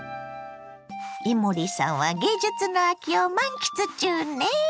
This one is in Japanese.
伊守さんは芸術の秋を満喫中ね。